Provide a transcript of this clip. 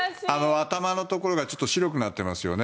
頭のところが白くなってますよね。